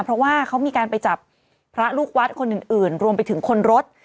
เพราะว่าเขามีการไปจับพระลูกวัดคนอื่นรวมไปถึงคนรถ